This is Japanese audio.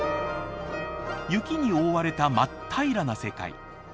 雪に覆われた真っ平らな世界。